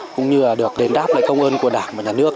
cũng như là được đền đáp lại công ơn của đảng và nhà nước